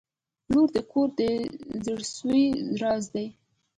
• لور د کور د زړسوي راز وي.